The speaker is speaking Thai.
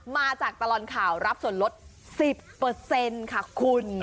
มาจากตลอดข่าวรับส่วนลด๑๐ค่ะคุณ